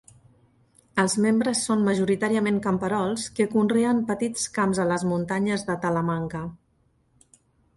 Els membres són majoritàriament camperols que conreen petits camps a les muntanyes de Talamanca.